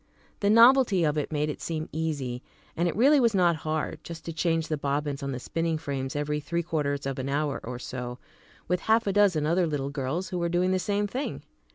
The novelty of it made it seem easy, and it really was not hard, just to change the bobbins on the spinning frames every three quarters of an hour or so, with half a dozen other little girls who were doing the same thing.